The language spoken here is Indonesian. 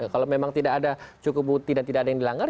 kalau memang tidak ada cukup bukti dan tidak ada yang dilanggar